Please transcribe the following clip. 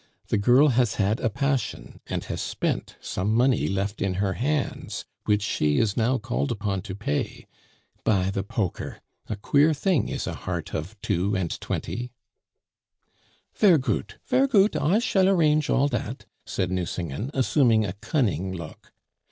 The girl has had a passion, and has spent some money left in her hands, which she is now called upon to pay. By the poker! a queer thing is a heart of two and twenty." "Ver' goot, ver' goot, I shall arrange all dat," said Nucingen, assuming a cunning look.